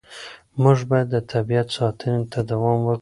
موږ باید د طبیعت ساتنې ته پام وکړو.